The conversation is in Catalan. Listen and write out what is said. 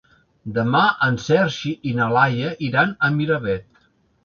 Demà en Sergi i na Laia iran a Miravet.